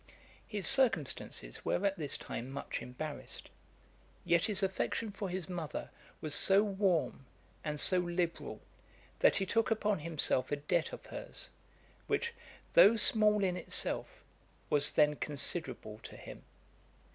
His circumstances were at this time much embarrassed; yet his affection for his mother was so warm, and so liberal, that he took upon himself a debt of her's, which, though small in itself, was then considerable to him.